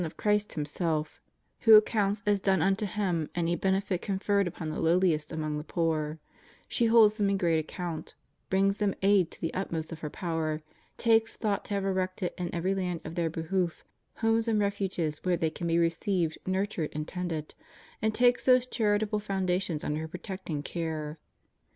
31 of Christ Himself, who accounts as done unto Him any benefit conferred upon the lowHest among the poor, she holds them in great account, brings them aid to the ut most of her power, takes thought to have erected in every land in their behoof homes and refuges where they can be received, nurtured, and tended; and takes these char itable foundations under her protecting care.